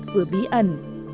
vừa bí ẩn